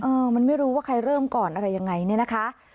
มันไม่รู้ว่าใครเริ่มก่อนอะไรยังไงเนี่ยนะคะ